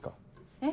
えっ。